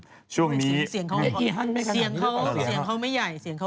อีฮันไม่กระดับโดยฟอร์ม